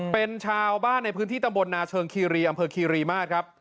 เป็นชาวบ้านในพื้นที่ตำบลนาเชิงคีรีอำเภอคีรีมาศครับ